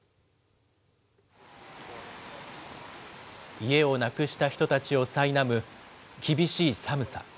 家をなくした人たちをさいなむ厳しい寒さ。